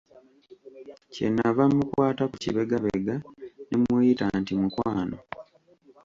Kye nava mmukwata ku kibegabega ne mmuyita nti, "mukwano?"